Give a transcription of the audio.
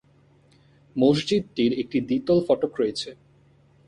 মসজিদটির একটি দ্বিতল ফটক রয়েছে।